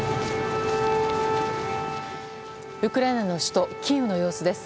ウクライナの首都キーウの様子です。